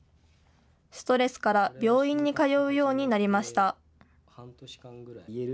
ストレスから病院に通うようになりました。